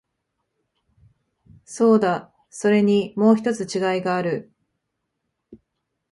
そうだ、それにもう一つ違いがある。